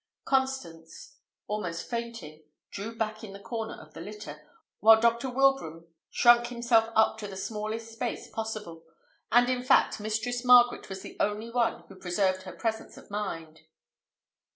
Constance, almost fainting, drew back in the corner of the litter. Dr. Wilbraham shrunk himself up to the smallest space possible; and, in fact, Mistress Margaret was the only one who preserved her presence of mind.